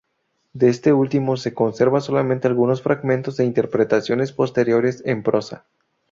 De este último, se conservan solamente algunos fragmentos, e interpretaciones posteriores en prosa.